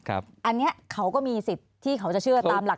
อันนี้เขาก็มีสิทธิ์ที่เขาจะเชื่อตามหลัก